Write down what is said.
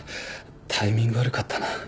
タイミング悪かったな。